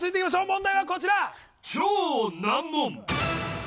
問題はこちら。